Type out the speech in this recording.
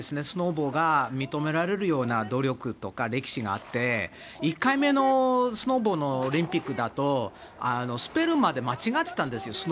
スノボが認められるような努力とか歴史があって１回目のスノーボードのオリンピックだとスペルまで間違っていたんですよ